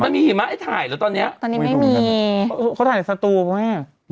ไม่มีหิมะไอ้ถ่ายหรือตอนเนี้ยตอนนี้ไม่มีเขาถ่ายในสตูเพราะไง